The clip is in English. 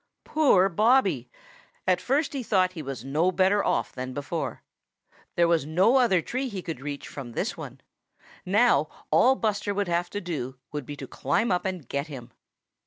Poor Bobby! At first he thought he was no better off than before. There was no other tree he could reach from this one. Now all Buster would have to do would be to climb up and get him.